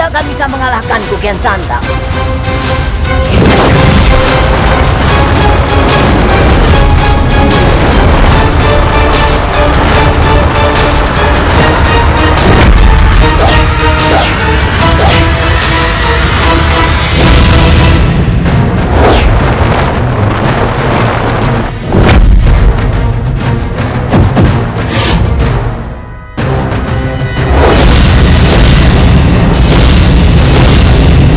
aku akan menjadikanmu penyakit